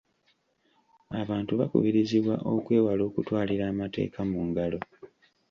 Abantu bakubirizibwa okwewala okutwalira amateeka mu ngalo.